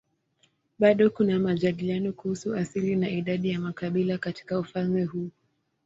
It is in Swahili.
Bado kuna majadiliano kuhusu asili na idadi ya makabila katika ufalme huu.